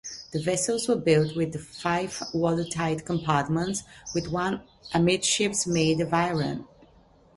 The vessels were built with five watertight compartments with one amidships made of iron.